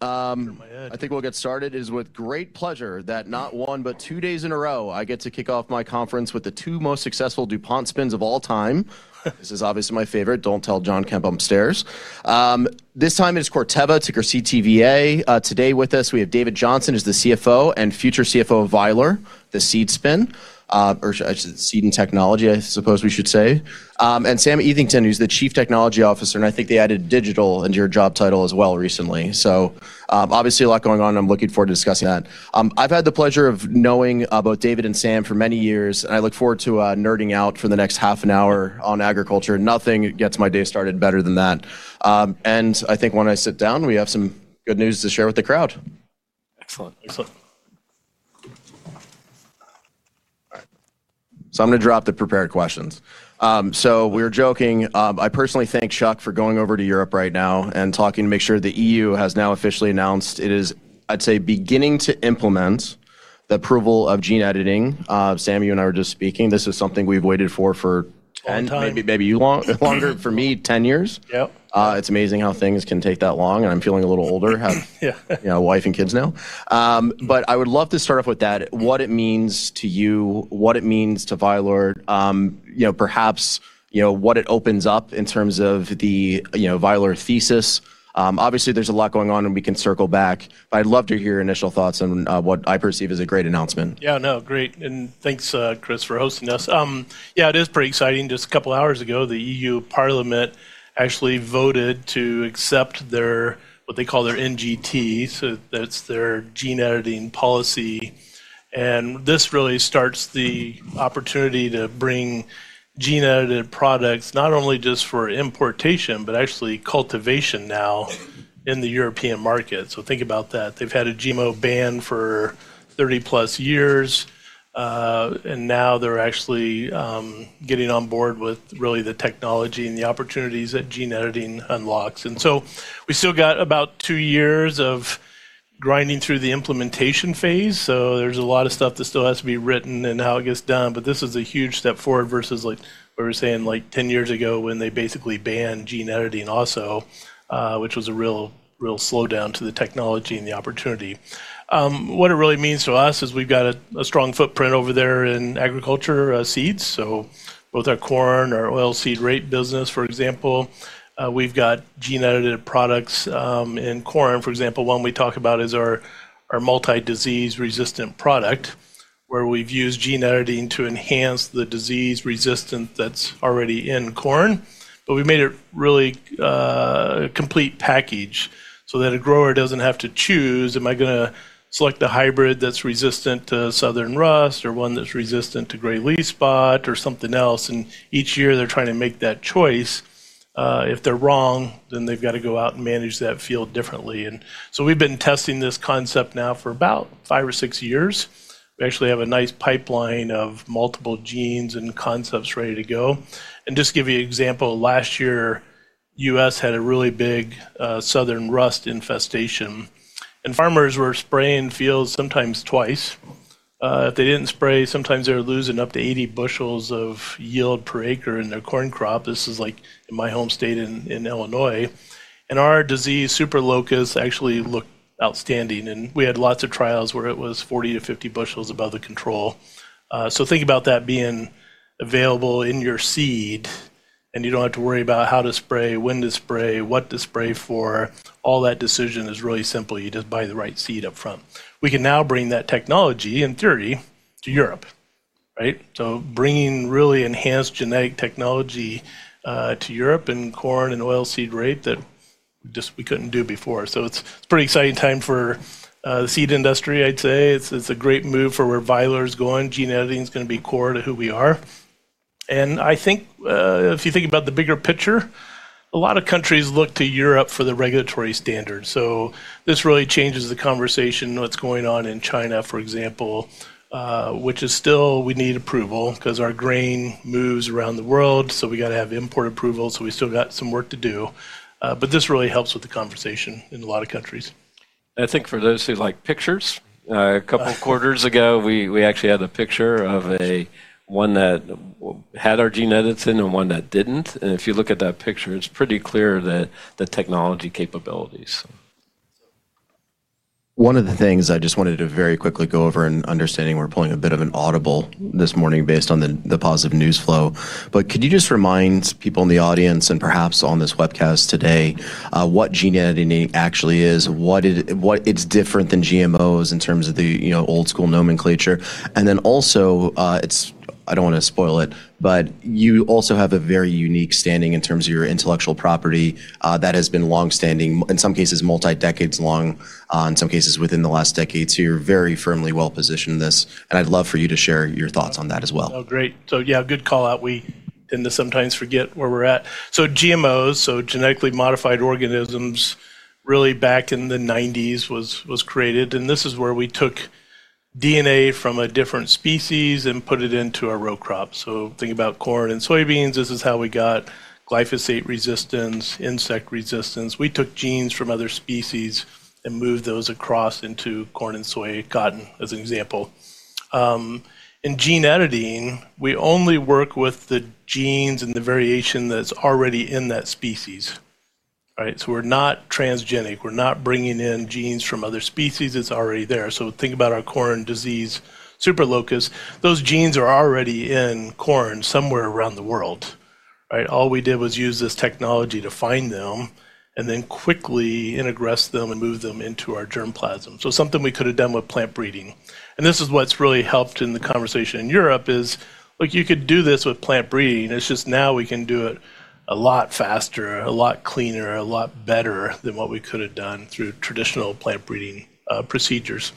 All right. I think we'll get started. It is with great pleasure that not two, but two days in a row, I get to kick off my conference with the two most successful DuPont spins of all time. This is obviously my favorite. Don't tell John Kempf upstairs. This time it is Corteva, ticker CTVA. Today with us we have David Johnson, who's the CFO and future CFO of Vylor, the seed spin. I should say seed and technology, I suppose we should say. Sam Eathington, who's the Chief Technology Officer, and I think they added digital into your job title as well recently. Obviously a lot going on, and I'm looking forward to discussing that. I've had the pleasure of knowing both David and Sam for many years, and I look forward to nerding out for the next half an hour on agriculture. Nothing gets my day started better than that. I think when I sit down, we have some good news to share with the crowd. Excellent. I'm going to drop the prepared questions. We were joking. I personally thank Chuck for going over to Europe right now and talking to make sure the EU has now officially announced it is, I'd say, beginning to implement the approval of gene editing. Sam, you and I were just speaking. This is something we've waited for. Long time. Maybe you longer. For me, 10 years. Yep. It's amazing how things can take that long, and I'm feeling a little older. Yeah. I would love to start off with that, what it means to you, what it means to Vylor. Perhaps, what it opens up in terms of the Vylor thesis. Obviously, there's a lot going on, and we can circle back, but I'd love to hear initial thoughts on what I perceive as a great announcement. Yeah, no. Great. Thanks, Chris, for hosting us. It is pretty exciting. Just a couple of hours ago, the EU Parliament actually voted to accept what they call their NGT, so that's their gene editing policy. This really starts the opportunity to bring gene edited products, not only just for importation, but actually cultivation now in the European market. Think about that. They've had a GMO ban for 30+ years. Now they're actually getting on board with really the technology and the opportunities that gene editing unlocks. We still got about two years of grinding through the implementation phase. There's a lot of stuff that still has to be written and how it gets done. This is a huge step forward versus we were saying, like 10 years ago, when they basically banned gene editing also, which was a real slowdown to the technology and the opportunity. What it really means to us is we've got a strong footprint over there in agriculture seeds. Both our corn, our oilseed rape business, for example. We've got gene edited products in corn, for example. One we talk about is our multi-disease-resistant product, where we've used gene editing to enhance the disease resistance that's already in corn. But we made a really complete package so that a grower doesn't have to choose, am I going to select the hybrid that's resistant to southern rust, or one that's resistant to gray leaf spot, or something else? Each year, they're trying to make that choice. If they're wrong, they've got to go out and manage that field differently. We've been testing this concept now for about five or six years. We actually have a nice pipeline of multiple genes and concepts ready to go. Just to give you an example, last year, the U.S. had a really big southern rust infestation. Farmers were spraying fields, sometimes twice. If they didn't spray, sometimes they were losing up to 80 bushels of yield per acre in their corn crop. This is in my home state in Illinois. Our Disease Super Locus actually looked outstanding, and we had lots of trials where it was 40 to 50 bushels above the control. Think about that being available in your seed, and you don't have to worry about how to spray, when to spray, what to spray for. All that decision is really simple. You just buy the right seed up front. We can now bring that technology, in theory, to Europe. Right? Bringing really enhanced genetic technology to Europe in corn and oilseed rape that just we couldn't do before. It's a pretty exciting time for the seed industry, I'd say. It's a great move for where Vylor is going. Gene editing is going to be core to who we are. I think, if you think about the bigger picture, a lot of countries look to Europe for the regulatory standards. This really changes the conversation, what's going on in China, for example. Which is still, we need approval because our grain moves around the world, so we got to have import approval, so we still got some work to do. This really helps with the conversation in a lot of countries. I think for those who like pictures, a couple of quarters ago, we actually had a picture of one that had our gene edits in and one that didn't. If you look at that picture, it's pretty clear the technology capabilities. One of the things I just wanted to very quickly go over in understanding we're pulling a bit of an audible this morning based on the positive news flow. Could you just remind people in the audience and perhaps on this webcast today, what gene editing actually is? It's different than GMOs in terms of the old school nomenclature. Also, I don't want to spoil it, but you also have a very unique standing in terms of your intellectual property that has been longstanding, in some cases multi-decades long. In some cases, within the last decade, so you're very firmly well-positioned in this, and I'd love for you to share your thoughts on that as well. Oh, great. Yeah, good callout. We tend to sometimes forget where we're at. GMOs, genetically modified organisms, really back in the 1990s was created, and this is where we took DNA from a different species and put it into a row crop. Think about corn and soybeans. This is how we got glyphosate resistance, insect resistance. We took genes from other species and moved those across into corn and soy, cotton, as an example. In gene editing, we only work with the genes and the variation that's already in that species. All right. We're not transgenic. We're not bringing in genes from other species. It's already there. Think about our corn Disease Super Locus. Those genes are already in corn somewhere around the world. Right? All we did was use this technology to find them and then quickly introgress them and move them into our germplasm. Something we could've done with plant breeding. This is what's really helped in the conversation in Europe is, you could do this with plant breeding. It's just now we can do it a lot faster, a lot cleaner, a lot better than what we could've done through traditional plant breeding procedures.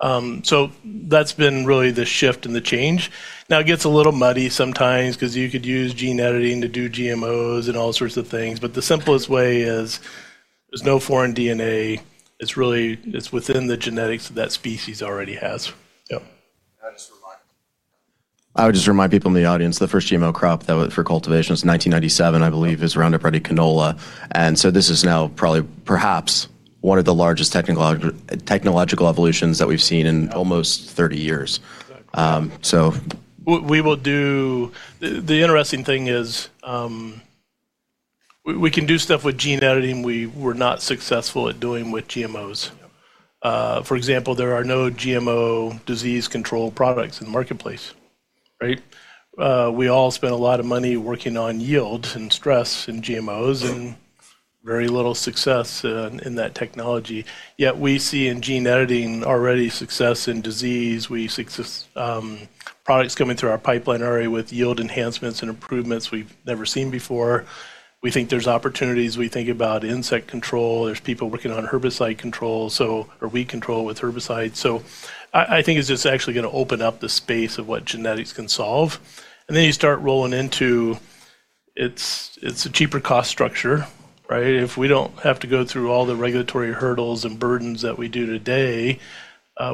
That's been really the shift and the change. Now it gets a little muddy sometimes because you could use gene editing to do GMOs and all sorts of things. The simplest way is there's no foreign DNA. It's within the genetics that species already has. I would just remind people in the audience, the first GMO crop that was for cultivation was 1997, I believe is Roundup Ready canola. This is now probably perhaps one of the largest technological evolutions that we've seen in almost 30 years. The interesting thing is, we can do stuff with gene editing we were not successful at doing with GMOs. For example, there are no GMO disease control products in the marketplace. Right. We all spend a lot of money working on yield and stress and GMOs and very little success in that technology. Yet we see in gene editing already success in disease. We see products coming through our pipeline already with yield enhancements and improvements we've never seen before. We think there's opportunities. We think about insect control. There's people working on herbicide control, or weed control with herbicides. I think it's just actually going to open up the space of what genetics can solve. You start rolling into, it's a cheaper cost structure. Right. If we don't have to go through all the regulatory hurdles and burdens that we do today,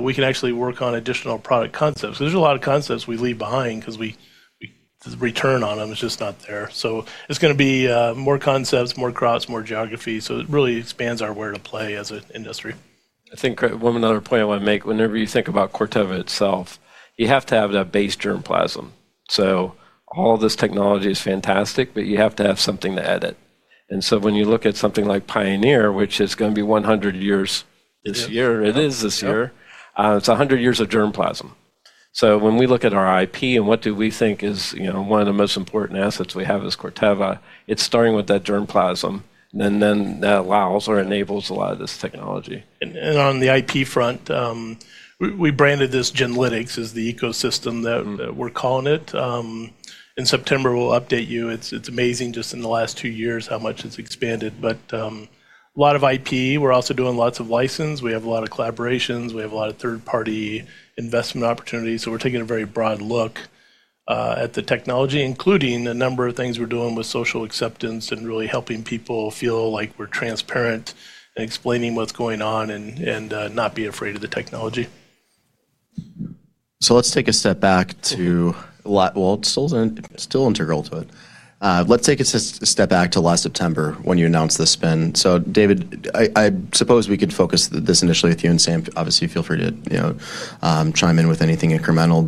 we can actually work on additional product concepts. There's a lot of concepts we leave behind because the return on them is just not there. It's going to be more concepts, more crops, more geography. It really expands our where to play as an industry. I think one other point I want to make. Whenever you think about Corteva itself, you have to have that base germplasm. All this technology is fantastic, but you have to have something to edit. When you look at something like Pioneer, which is going to be 100 years this year. It is this year. It's 100 years of germplasm. When we look at our IP and what do we think is one of the most important assets we have as Corteva, it's starting with that germplasm. That allows or enables a lot of this technology. On the IP front, we branded this Genlytix as the ecosystem that we're calling it. In September, we'll update you. It's amazing just in the last two years how much it's expanded. A lot of IP. We're also doing lots of license. We have a lot of collaborations. We have a lot of third-party investment opportunities. We're taking a very broad look at the technology, including a number of things we're doing with social acceptance and really helping people feel like we're transparent and explaining what's going on and not be afraid of the technology. Let's take a step back to Well, it's still integral to it. Let's take a step back to last September when you announced the spin. David, I suppose we could focus this initially with you, and Sam, obviously feel free to chime in with anything incremental.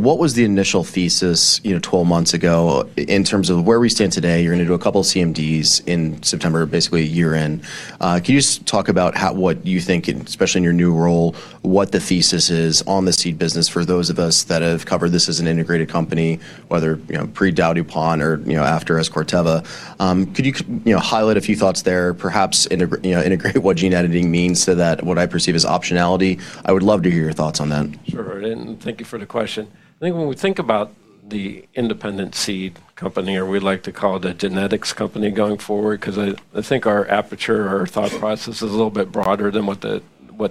What was the initial thesis 12 months ago in terms of where we stand today? You are going to do a couple CMDs in September, basically a year in. Can you just talk about what you think, especially in your new role, what the thesis is on the seed business for those of us that have covered this as an integrated company, whether pre-DowDuPont or after as Corteva. Could you highlight a few thoughts there, perhaps integrate what gene editing means to that what I perceive as optionality. I would love to hear your thoughts on that. Sure. Thank you for the question. I think when we think about the independent seed company, or we like to call it a genetics company going forward, because I think our aperture or our thought process is a little bit broader than what the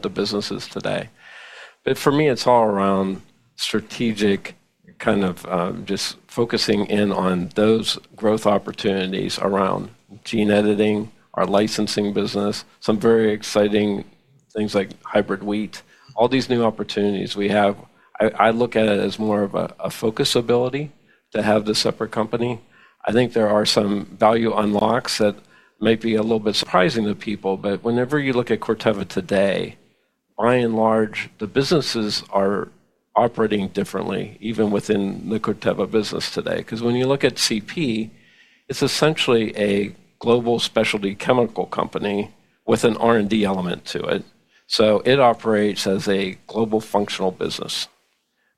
business is today. For me, it's all around strategic, just focusing in on those growth opportunities around gene editing, our licensing business, some very exciting things like hybrid wheat, all these new opportunities we have. I look at it as more of a focus ability to have the separate company. I think there are some value unlocks that may be a little bit surprising to people. Whenever you look at Corteva today, by and large, the businesses are operating differently, even within the Corteva business today. Because when you look at CP, it's essentially a global specialty chemical company with an R&D element to it. It operates as a global functional business.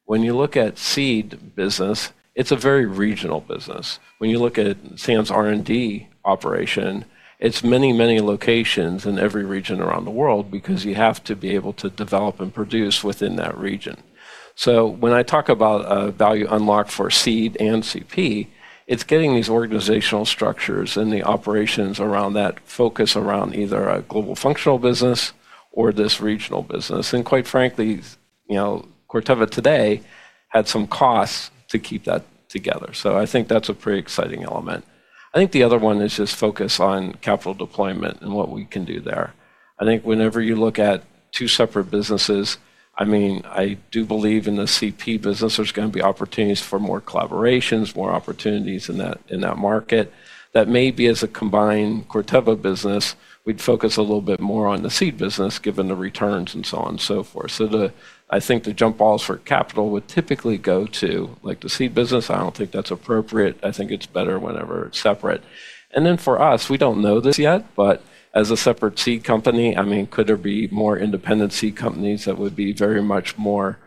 When you look at seed business, it's a very regional business. When you look at Sam's R&D operation, it's many locations in every region around the world because you have to be able to develop and produce within that region. When I talk about a value unlock for seed and CP, it's getting these organizational structures and the operations around that focus around either a global functional business or this regional business. Quite frankly, Corteva today had some costs to keep that together. I think that's a pretty exciting element. I think the other one is just focus on capital deployment and what we can do there. I think whenever you look at two separate businesses, I do believe in the CP business, there's going to be opportunities for more collaborations, more opportunities in that market. That may be as a combined Corteva business, we'd focus a little bit more on the seed business, given the returns and so on and so forth. I think the jump balls for capital would typically go to the seed business. I don't think that's appropriate. I think it's better whenever it's separate. Then for us, we don't know this yet, but as a separate seed company, could there be more independent seed companies that would be very much more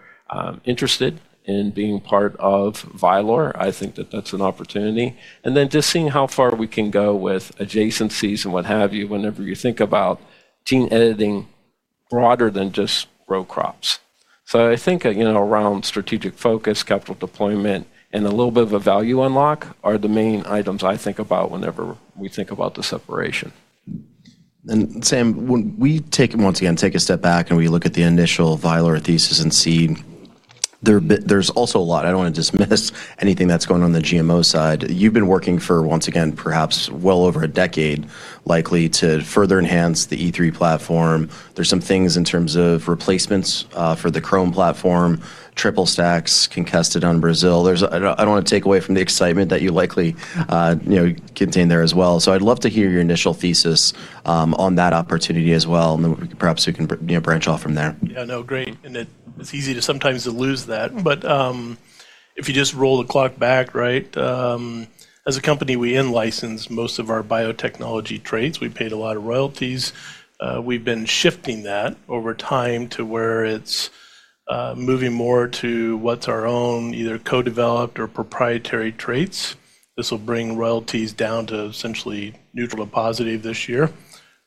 interested in being part of Vylor? I think that that's an opportunity. Then just seeing how far we can go with adjacencies and what have you, whenever you think about gene editing broader than just row crops. I think around strategic focus, capital deployment, and a little bit of a value unlock are the main items I think about whenever we think about the separation. Sam, when we once again take a step back and we look at the initial Vylor thesis in seed, there's also a lot. I don't want to dismiss anything that's going on the GMO side. You've been working for, once again, perhaps well over a decade, likely to further enhance the E3 platform. There's some things in terms of replacements for the Qrome platform, triple stacks, Conkesta in Brazil. I don't want to take away from the excitement that you likely contain there as well. I'd love to hear your initial thesis on that opportunity as well, and then perhaps we can branch off from there. Yeah, no, great. It's easy sometimes to lose that. If you just roll the clock back, as a company, we in-license most of our biotechnology traits. We paid a lot of royalties. We've been shifting that over time to where it's moving more to what's our own, either co-developed or proprietary traits. This will bring royalties down to essentially neutral and positive this year.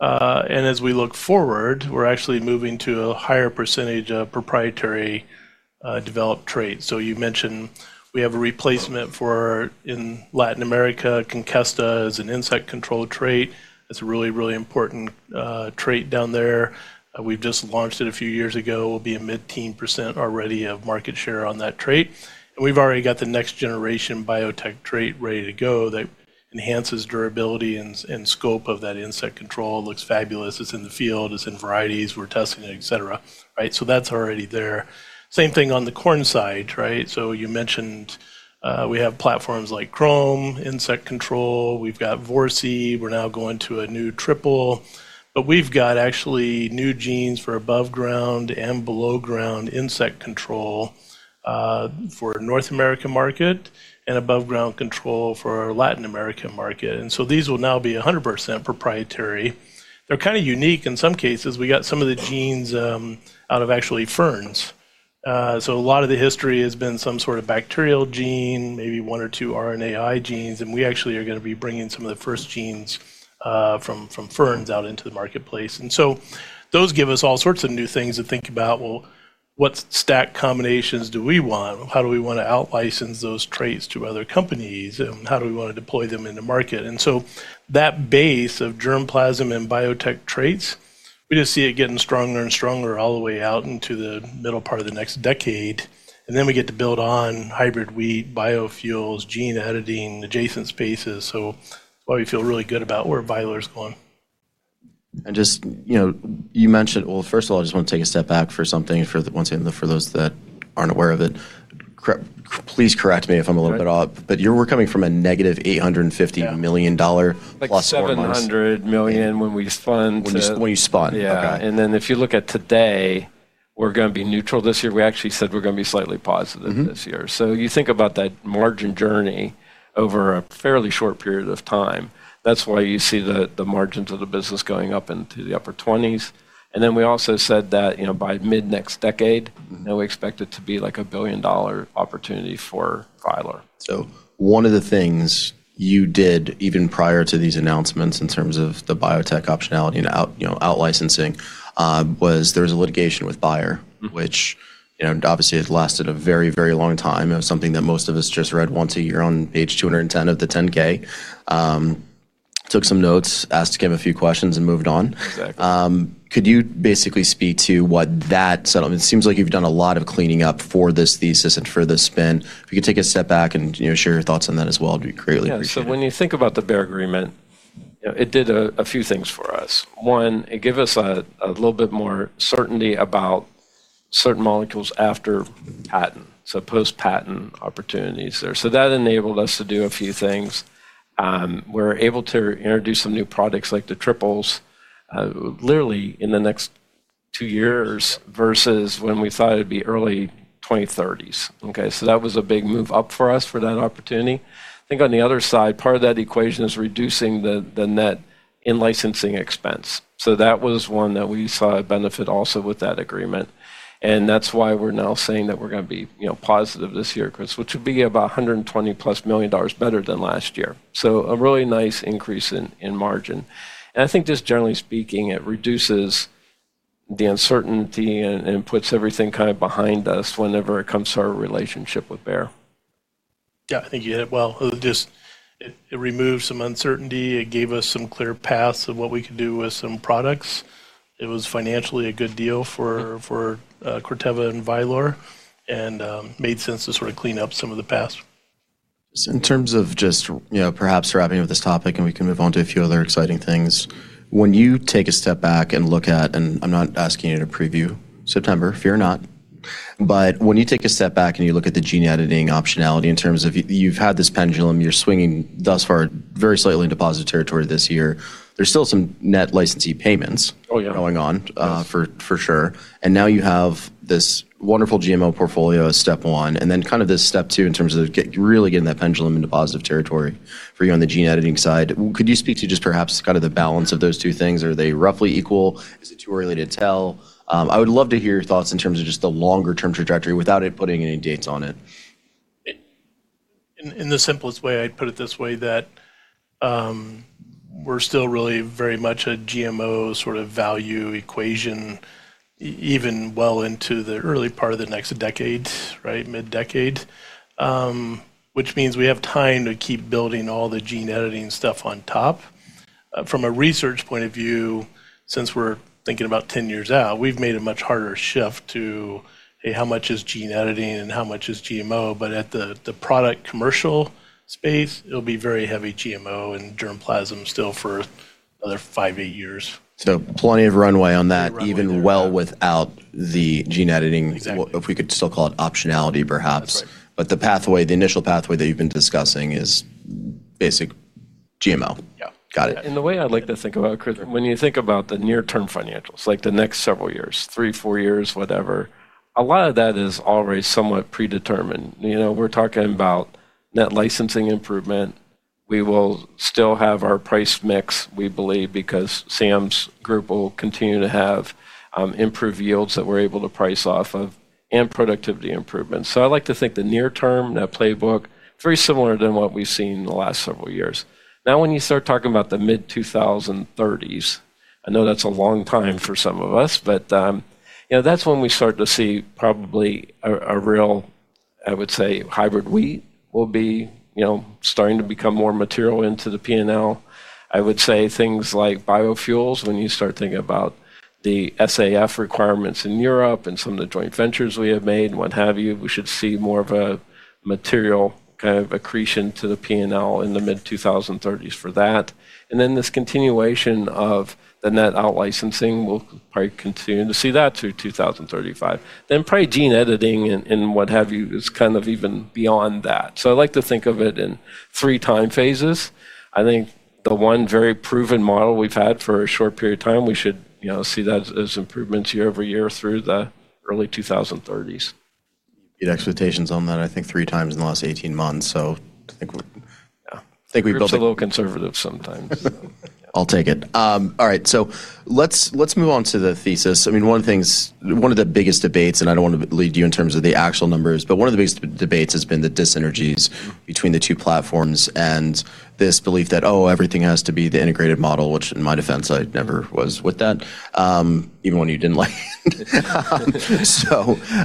As we look forward, we're actually moving to a higher percentage of proprietary developed traits. You mentioned we have a replacement for, in Latin America, Conkesta is an insect control trait. It's a really, really important trait down there. We've just launched it a few years ago. We'll be a mid-teen percent already of market share on that trait. We've already got the next generation biotech trait ready to go that enhances durability and scope of that insect control. It looks fabulous. It's in the field, it's in varieties. We're testing it, et cetera. That's already there. Same thing on the corn side. You mentioned we have platforms like Qrome, insect control. We've got Vorceed. We're now going to a new triple. We've got actually new genes for above ground and below ground insect control for North American market and above ground control for our Latin American market. These will now be 100% proprietary. They're kind of unique in some cases. We got some of the genes out of actually ferns. A lot of the history has been some sort of bacterial gene, maybe one or two RNAi genes, and we actually are going to be bringing some of the first genes from ferns out into the marketplace. Those give us all sorts of new things to think about. Well, what stack combinations do we want? How do we want to out-license those traits to other companies? How do we want to deploy them in the market? That base of germplasm and biotech traits, we just see it getting stronger and stronger all the way out into the middle part of the next decade. Then we get to build on hybrid wheat, biofuels, gene editing, adjacent spaces. That's why we feel really good about where Vylor's going. Just you mentioned, well, first of all, I just want to take a step back for something, for those that aren't aware of it. Please correct me if I'm a little bit off. Right. We're coming from a -$850 million ±. Like $700 million when we spun. When you spun. Okay. If you look at today, we're going to be neutral this year. We actually said we're going to be slightly positive this year. You think about that margin journey over a fairly short period of time. That's why you see the margins of the business going up into the upper 20s. We also said that by mid next decade, we expect it to be like $1 billion opportunity for Vylor. One of the things you did even prior to these announcements in terms of the biotech optionality and out-licensing, was there was a litigation with Bayer. Which obviously has lasted a very, very long time. It was something that most of us just read once a year on page 210 of the 10-K. Took some notes, asked, gave a few questions, and moved on. Exactly. Could you basically speak to what that settlement, it seems like you've done a lot of cleaning up for this thesis and for the spin. If you could take a step back and share your thoughts on that as well, it'd be greatly appreciated. Yeah. When you think about the Bayer agreement, it did a few things for us. One, it gave us a little bit more certainty about certain molecules after patent, so post-patent opportunities there. That enabled us to do a few things. We're able to introduce some new products like the triples literally in the next two years, versus when we thought it'd be early 2030s. Okay, that was a big move up for us for that opportunity. I think on the other side, part of that equation is reducing the net in-licensing expense. That was one that we saw a benefit also with that agreement, and that's why we're now saying that we're going to be positive this year, Chris, which would be about $120 million+ better than last year. A really nice increase in margin. I think just generally speaking, it reduces the uncertainty and puts everything kind of behind us whenever it comes to our relationship with Bayer. Yeah, I think you hit it well. It removed some uncertainty. It gave us some clear paths of what we could do with some products. It was financially a good deal for Corteva and Vylor, and made sense to sort of clean up some of the past. In terms of just perhaps wrapping up this topic, and we can move on to a few other exciting things. I'm not asking you to preview September, fear not. When you take a step back and you look at the gene editing optionality in terms of you've had this pendulum, you're swinging thus far, very slightly into positive territory this year. There's still some net licensee payments going on for sure. Now you have this wonderful GMO portfolio as step one, then kind of this step two in terms of really getting that pendulum into positive territory for you on the gene editing side. Could you speak to just perhaps kind of the balance of those two things? Are they roughly equal? Is it too early to tell? I would love to hear your thoughts in terms of just the longer-term trajectory without putting any dates on it. In the simplest way, I'd put it this way, that we're still really very much a GMO sort of value equation, even well into the early part of the next decade, right, mid-decade. Which means we have time to keep building all the gene editing stuff on top. From a research point of view, since we're thinking about 10 years out, we've made a much harder shift to, "How much is gene editing and how much is GMO?" At the product commercial space, it'll be very heavy GMO and germplasm still for another five, eight years. Plenty of runway on that even well without the gene editing if we could still call it optionality, perhaps. The initial pathway that you've been discussing is basic GMO. Yeah. Got it. The way I like to think about it, Chris, when you think about the near-term financials, like the next several years, three, four years, whatever, a lot of that is already somewhat predetermined. We're talking about net licensing improvement. We will still have our price mix, we believe, because Sam's group will continue to have improved yields that we're able to price off of and productivity improvements. I like to think the near term, that playbook, very similar than what we've seen in the last several years. When you start talking about the mid 2030s, I know that's a long time for some of us, that's when we start to see probably a real, I would say, hybrid wheat will be starting to become more material into the P&L. I would say things like biofuels, when you start thinking about the SAF requirements in Europe and some of the joint ventures we have made, what have you, we should see more of a material kind of accretion to the P&L in the mid-2030s for that. This continuation of the net out-licensing, we'll probably continue to see that through 2035. Probably gene editing and what have you is kind of even beyond that. I like to think of it in three time phases. I think the one very proven model we've had for a short period of time, we should see that as improvements year-over-year through the early 2030s. You beat expectations on that, I think, 3x in the last 18 months. I think we're building. Chris, I'm a little conservative sometimes. I'll take it. All right, let's move on to the thesis. One of the biggest debates, and I don't want to lead you in terms of the actual numbers, but one of the biggest debates has been the dyssynergies between the two platforms and this belief that, "Oh, everything has to be the integrated model," which in my defense, I never was with that. Even when you didn't like it.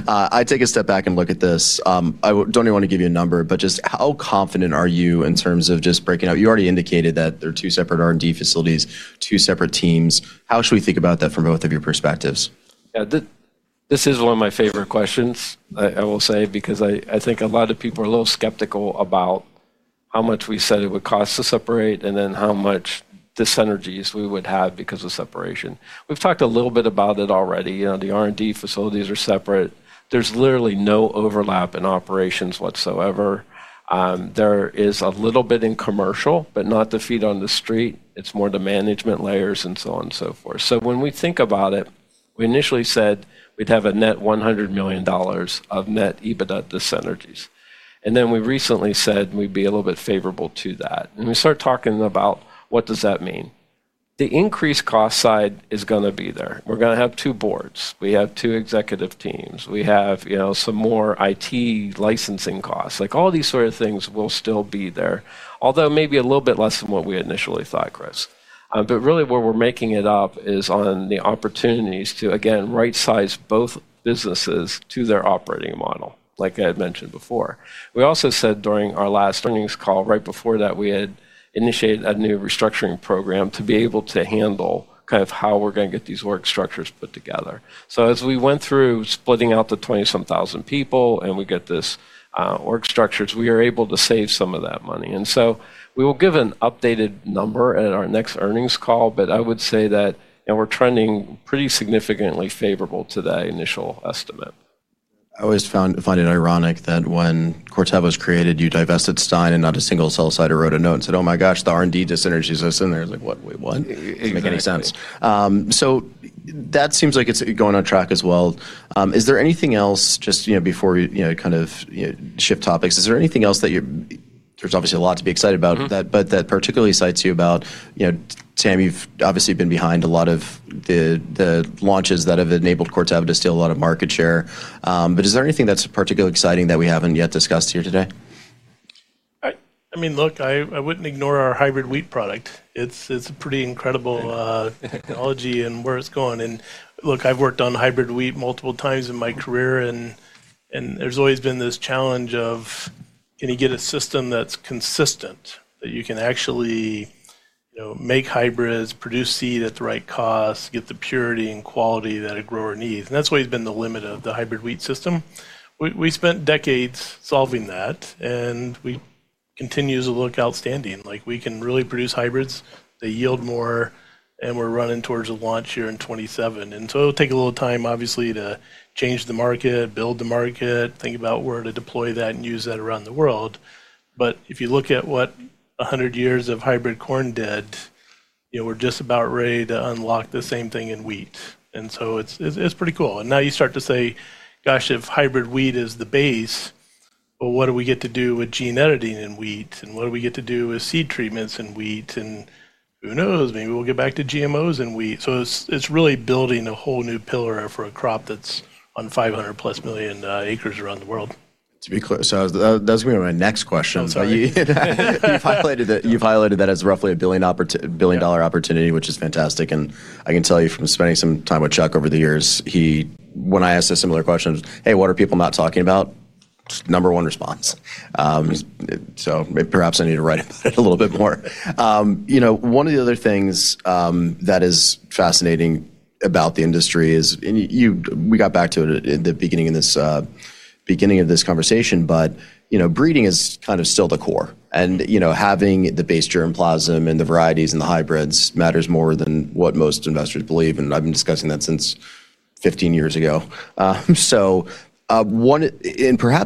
I take a step back and look at this. I don't even want to give you a number, but just how confident are you in terms of just breaking out? You already indicated that they are two separate R&D facilities, two separate teams. How should we think about that from both of your perspectives? Yeah. This is one of my favorite questions, I will say, because I think a lot of people are a little skeptical about how much we said it would cost to separate and then how much dyssynergies we would have because of separation. We've talked a little bit about it already. The R&D facilities are separate. There's literally no overlap in operations whatsoever. There is a little bit in commercial, but not the feet on the street. It's more the management layers and so on and so forth. When we think about it, we initially said we'd have a net $100 million of net EBITDA dyssynergies. Then we recently said we'd be a little bit favorable to that. We start talking about what does that mean. The increased cost side is going to be there. We're going to have two boards. We have two executive teams. We have some more IT licensing costs. All these sort of things will still be there, although maybe a little bit less than what we had initially thought, Chris. Really where we're making it up is on the opportunities to, again, right-size both businesses to their operating model, like I had mentioned before. We also said during our last earnings call, right before that, we had initiated a new restructuring program to be able to handle kind of how we're going to get these org structures put together. As we went through splitting out the 20,000-some people and we get this org structures, we are able to save some of that money. We will give an updated number at our next earnings call, but I would say that we're trending pretty significantly favorable to that initial estimate. I always find it ironic that when Corteva was created, you divested Stine and not a single sell-sider wrote a note and said, "Oh my gosh, the R&D dyssynergies are in there." It's like, "What? Wait, what? Exactly. Doesn't make any sense. That seems like it's going on track as well. Is there anything else just before you kind of shift topics, is there anything else that you're? There's obviously a lot to be excited about. That particularly excites you about, Sam, you've obviously been behind a lot of the launches that have enabled Corteva to steal a lot of market share. Is there anything that's particularly exciting that we haven't yet discussed here today? Look, I wouldn't ignore our hybrid wheat product. It's a pretty incredible technology and where it's going. Look, I've worked on hybrid wheat multiple times in my career and there's always been this challenge of can you get a system that's consistent, that you can actually make hybrids, produce seed at the right cost, get the purity and quality that a grower needs? That's what has been the limit of the hybrid wheat system. We spent decades solving that, and we continue to look outstanding. We can really produce hybrids, they yield more, and we're running towards a launch here in 2027. It'll take a little time, obviously, to change the market, build the market, think about where to deploy that and use that around the world. If you look at what 100 years of hybrid corn did, we're just about ready to unlock the same thing in wheat. It's pretty cool. Now you start to say, "Gosh, if hybrid wheat is the base, well what do we get to do with gene editing in wheat, and what do we get to do with seed treatments in wheat?" Who knows? Maybe we'll get back to GMOs in wheat. It's really building a whole new pillar for a crop that's on +500 million acres around the world. To be clear, that was going to be my next question. You've highlighted that as roughly a $1 billion opportunity. Which is fantastic. I can tell you from spending some time with Chuck over the years, when I asked a similar question, "Hey, what are people not talking about?" Number one response. Okay. Perhaps I need to write about it a little bit more. One of the other things that is fascinating about the industry is, and we got back to it at the beginning of this conversation, breeding is still the core. Having the base germplasm and the varieties and the hybrids matters more than what most investors believe, and I've been discussing that since 15 years ago. Perhaps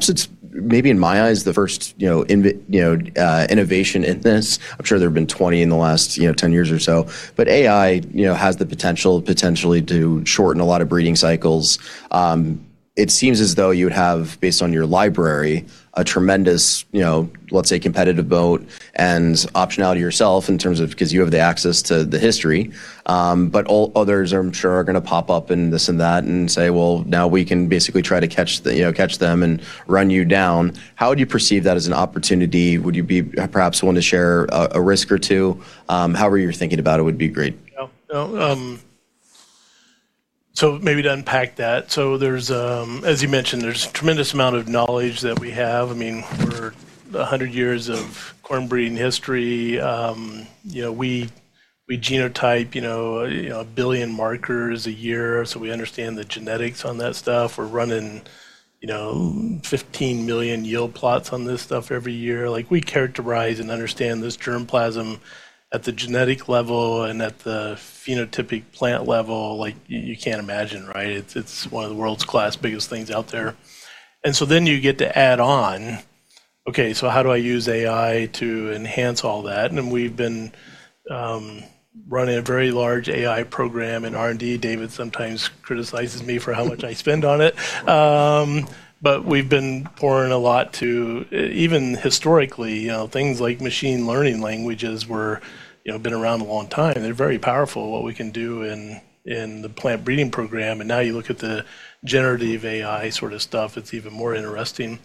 it's maybe in my eyes the first innovation in this. I'm sure there have been 20 in the last 10 years or so. AI has the potential, potentially, to shorten a lot of breeding cycles. It seems as though you would have, based on your library, a tremendous, let's say, competitive moat and optionality yourself in terms of because you have the access to the history. Others I'm sure are going to pop up and this and that, and say, "Well, now we can basically try to catch them and run you down." How would you perceive that as an opportunity? Would you be perhaps willing to share a risk or two? However you're thinking about it would be great. Maybe to unpack that. As you mentioned, there's a tremendous amount of knowledge that we have. We're 100 years of corn breeding history. We genotype 1 billion markers a year, so we understand the genetics on that stuff. We're running 15 million yield plots on this stuff every year. We characterize and understand this germplasm at the genetic level and at the phenotypic plant level. You can't imagine, right? It's one of the world's class biggest things out there. You get to add on, okay, how do I use AI to enhance all that? We've been running a very large AI program in R&D. David sometimes criticizes me for how much I spend on it. We've been pouring a lot to, even historically, things like machine learning languages were been around a long time. They're very powerful what we can do in the plant breeding program. Now you look at the generative AI sort of stuff, it's even more interesting.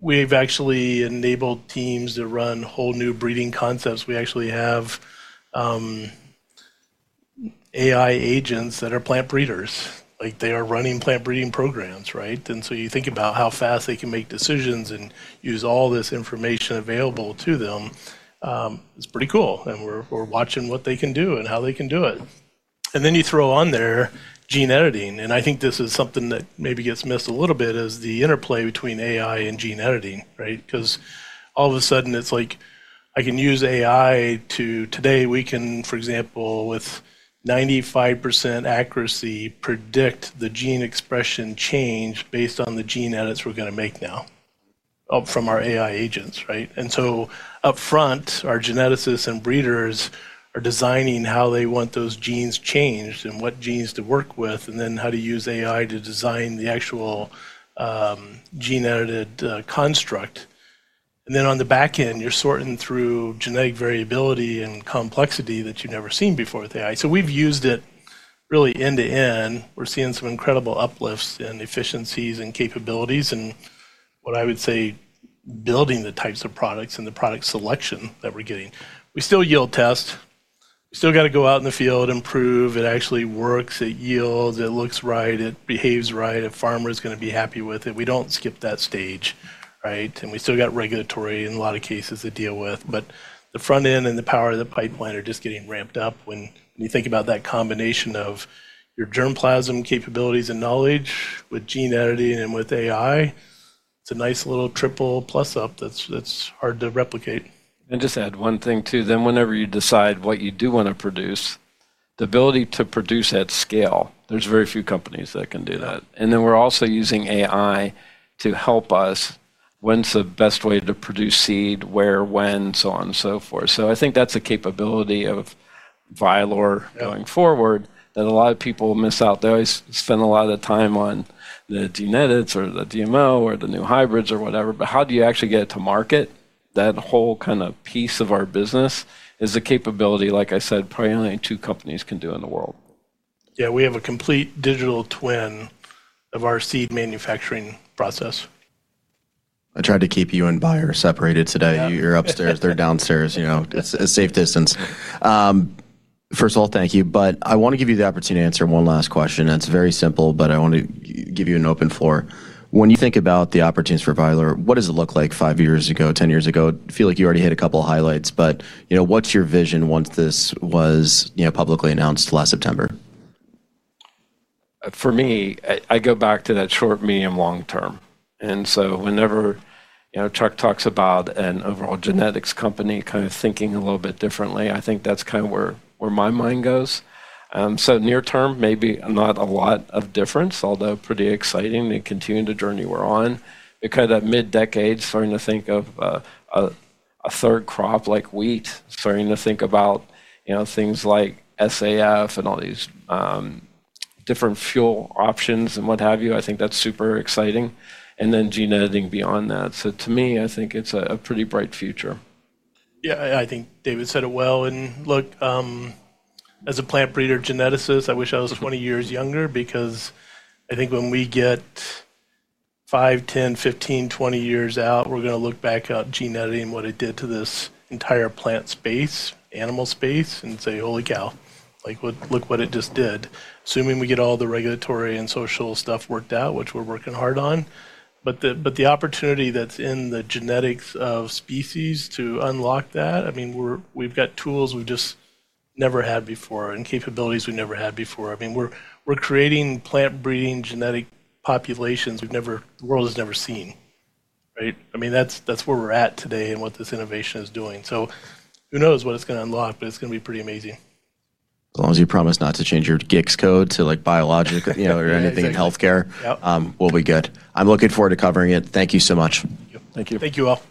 We've actually enabled teams to run whole new breeding concepts. We actually have AI agents that are plant breeders. They are running plant breeding programs, right? You think about how fast they can make decisions and use all this information available to them. It's pretty cool, and we're watching what they can do and how they can do it. Then you throw on there gene editing, and I think this is something that maybe gets missed a little bit is the interplay between AI and gene editing, right? It's like I can use AI to, today we can, for example, with 95% accuracy, predict the gene expression change based on the gene edits we're going to make now from our AI agents, right? Up front, our geneticists and breeders are designing how they want those genes changed and what genes to work with, and then how to use AI to design the actual gene-edited construct. On the back end, you're sorting through genetic variability and complexity that you've never seen before with AI. We've used it really end to end. We're seeing some incredible uplifts in efficiencies and capabilities and what I would say building the types of products and the product selection that we're getting. We still yield test. Got to go out on the field and improve, it actually works at yield and looks right and behaves right. Farmers gonna be happy with it. We don't skip that stage, right? We still got regulatory in lot of cases deal with but the front end and a power of the pipeline just getting ramped up and we think about that combination of your germ plasm capabilities in knowledge with gene editing with AI, it's nice little triple plus of the replicate. Just add one thing, too. Whenever you decide what you do want to produce, the ability to produce at scale, there's very few companies that can do that. We're also using AI to help us. When's the best way to produce seed, where, when, so on and so forth. I think that's a capability of Vylor going forward that a lot of people miss out. They always spend a lot of time on the gene edits or the GMO or the new hybrids or whatever, but how do you actually get it to market? That whole piece of our business is a capability, like I said, probably only two companies can do in the world. Yeah, we have a complete digital twin of our seed manufacturing process. I tried to keep you and Bayer separated today. You're upstairs, they're downstairs. It's a safe distance. First of all, thank you. I want to give you the opportunity to answer one last question, and it's very simple. I want to give you an open floor. When you think about the opportunities for Vylor, what does it look like five years ago, 10 years ago? Feel like you already hit a couple highlights, but what's your vision once this was publicly announced last September? For me, I go back to that short, medium, long-term. Whenever Chuck talks about an overall genetics company kind of thinking a little bit differently, I think that's kind of where my mind goes. Near term, maybe not a lot of difference, although pretty exciting and continuing the journey we're on. Kind of that mid decade, starting to think of a third crop like wheat, starting to think about things like SAF and all these different fuel options and what have you. I think that's super exciting. Then gene editing beyond that. To me, I think it's a pretty bright future. I think David said it well. Look, as a plant breeder geneticist, I wish I was 20 years younger because I think when we get 5, 10, 15, 20 years out, we're going to look back at gene editing, what it did to this entire plant space, animal space, and say, "Holy cow, look what it just did." Assuming we get all the regulatory and social stuff worked out, which we're working hard on, the opportunity that's in the genetics of species to unlock that, we've got tools we've just never had before and capabilities we never had before. We're creating plant-breeding genetic populations the world has never seen, right? That's where we're at today and what this innovation is doing. Who knows what it's going to unlock, but it's going to be pretty amazing. As long as you promise not to change your GICS code to biologic or anything healthcare. Yeah, exactly. Yep We'll be good. I'm looking forward to covering it. Thank you so much. Thank you. Thank you, all.